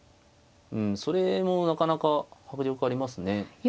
うんそれもなかなか迫力ありますね。